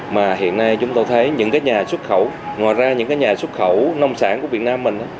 mà hiện nay chúng tôi thấy những cái nhà xuất khẩu ngoài ra những cái nhà xuất khẩu nông sản của việt nam mình